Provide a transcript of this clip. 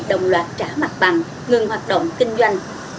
đồng loạt trả mặt bằng ngừng hoạt động kinh doanh